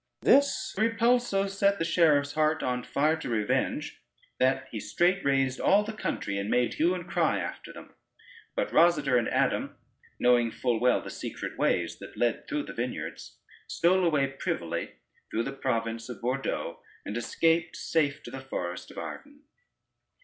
This repulse so set the sheriff's heart on fire to revenge, that he straight raised all the country, and made hue and cry after them. But Rosader and Adam, knowing full well the secret ways that led through the vineyards, stole away privily through the province of Bordeaux, and escaped safe to the forest of Arden.